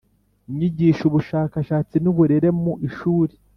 Inyigisho ubushakashatsi n uburere mu ishuri